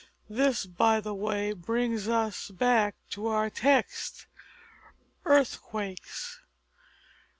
This, by the way, brings us back to our text earthquakes.